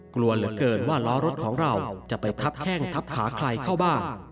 กลัวเหลือเกินว่าล้อรถของเราจะไปทับแข้งทับขาใครเข้าบ้าง